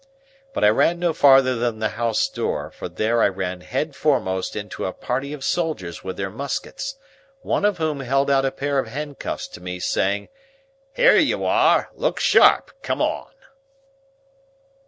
But I ran no farther than the house door, for there I ran head foremost into a party of soldiers with their muskets, one of whom held out a pair of handcuffs to me, saying, "Here you are, look sharp, come on!"